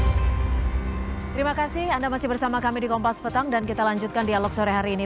terima kasih anda masih bersama kami di kompas petang dan kita lanjutkan dialog sore hari ini